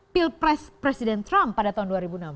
pilpres presiden trump pada tahun dua ribu enam belas